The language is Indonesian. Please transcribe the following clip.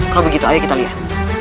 kalau begitu ayo kita lihat